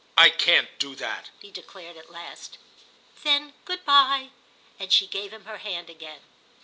"I can't do that!" he declared at last. "Then good bye." And she gave him her hand again.